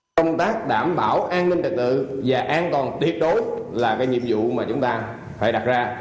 công tác đảm bảo an ninh trật tự và an toàn tuyệt đối là cái nhiệm vụ mà chúng ta phải đặt ra